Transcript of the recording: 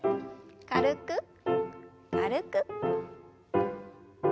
軽く軽く。